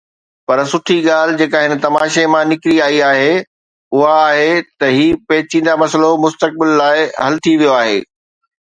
پر سٺي ڳالهه جيڪا هن تماشي مان نڪري آئي آهي اها آهي ته هي پيچيده مسئلو مستقبل لاءِ حل ٿي ويو آهي.